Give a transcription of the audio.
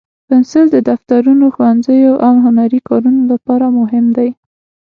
پنسل د دفترونو، ښوونځیو، او هنري کارونو لپاره مهم دی.